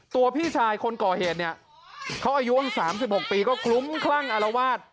ตัวพี่ชายคนกอเหตุเนี้ยเขาอายุข้างสามสิบหกปีก็คุ้มครั่งอารวาด